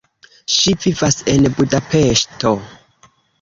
Ŝi vivas en Budapeŝto.